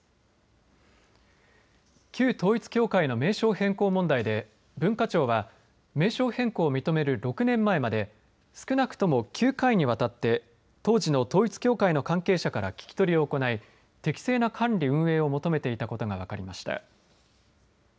旧統一教会の名称変更問題で文化庁は名称変更を認める６年前まで少なくとも９回にわたって当時の統一教会の関係者から聞き取りを行い、適正な管理運営を求めていたことが分かりました。